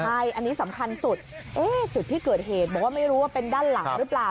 ใช่อันนี้สำคัญสุดจุดที่เกิดเหตุบอกว่าไม่รู้ว่าเป็นด้านหลังหรือเปล่า